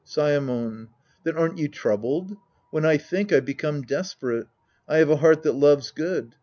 Saemon. Then aren't you troubled ? When I think, I become desperate. I have a heart that loves good.